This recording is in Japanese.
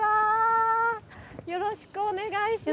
よろしくお願いします。